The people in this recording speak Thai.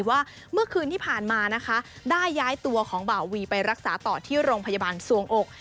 ว่าเมื่อคืนที่ผ่านมานะคะได้ย้ายตัวของบ่าวีไปรักษาต่อที่โรงพยาบาลสวงอก